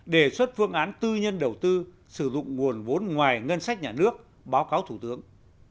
đề xuất phương án tư nhân đầu tư sử dụng nguồn vốn ngoài ngân sách nhà nước báo cáo thủ tướng